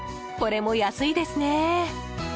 これも安いですね。